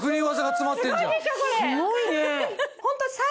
すごいね。